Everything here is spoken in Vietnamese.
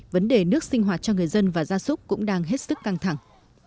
vấn đề nước sinh hoạt cho người dân và gia súc cũng đang hết sức căng thẳng